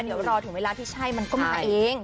เดี๋ยวรอถึงเวลาที่ใช่มันก็มาเอง